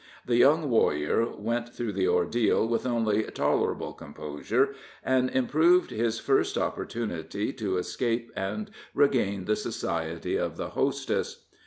The young warrior went through the ordeal with only tolerable composure, and improved his first opportunity to escape and regain the society of the hostess.